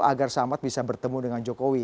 agar samad bisa bertemu dengan jokowi